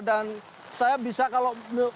dan saya bisa kalau